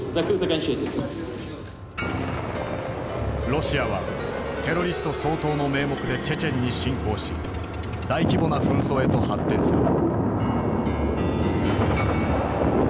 ロシアはテロリスト掃討の名目でチェチェンに侵攻し大規模な紛争へと発展する。